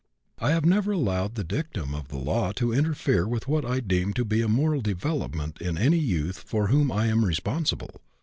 I have never allowed the dictum of the law to interfere with what I deemed to be a moral development in any youth for whom I am responsible.